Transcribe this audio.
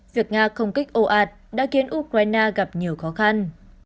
việc nga không kích ồ ạt đã khiến ukraine gặp nhiều khó khăn